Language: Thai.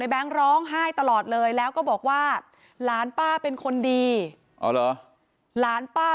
ในแบงค์ร้องไห้ตลอดเลยแล้วก็บอกว่าหลานป้าเป็นคนดีหลานป้า